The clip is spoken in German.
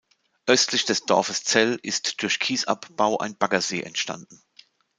Östlich des Dorfes Zell ist durch Kiesabbau ein Baggersee entstanden.